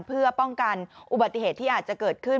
เพื่อป้องกันอุบัติเหตุที่อาจจะเกิดขึ้น